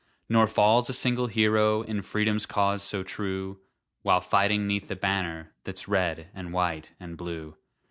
Nor falls a single hero In Freedom's cause so true, While fighting 'neath the banner That's red and white and blue.